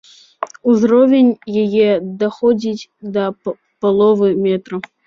Узровень яе даходзіць да паловы метра.